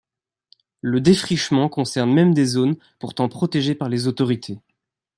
Le défrichement concerne même des zones pourtant protégées par les autorités.